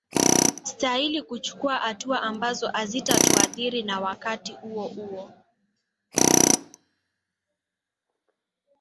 stahili kuchukuwa hatua ambazo hazitatuadhiri na wakati huo huo